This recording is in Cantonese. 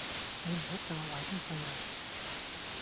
你唔好教壞啲細路